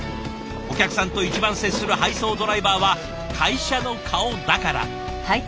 お客さんと一番接する配送ドライバーは会社の顔だから。